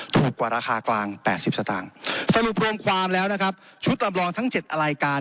ถูกกว่าราคากลาง๘๐สตางค์สรุปรวมความแล้วนะครับชุดลำรองทั้ง๗รายการ